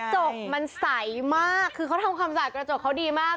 จกมันใสมากคือเขาทำความสะอาดกระจกเขาดีมาก